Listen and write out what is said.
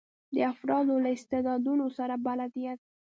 د افرادو له استعدادونو سره بلدیت.